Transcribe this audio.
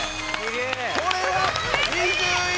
これは２１！